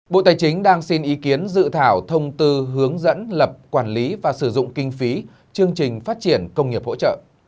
bộ tài chính đang xin ý kiến dự thảo thông tư hướng dẫn lập quản lý và sử dụng kinh phí chương trình phát triển công nghiệp hỗ trợ